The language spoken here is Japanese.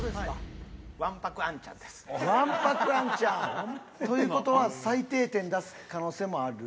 わんぱく兄ちゃん！という事は最低点出す可能性もある。